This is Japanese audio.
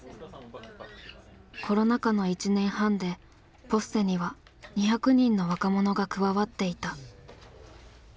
コロナ禍の１年半でＰＯＳＳＥには２００人の若者が加わっていた。